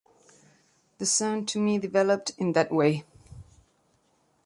The sound to me developed in that way.